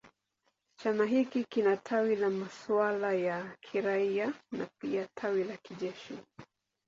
Chama hiki kina tawi la masuala ya kiraia na pia tawi la kijeshi.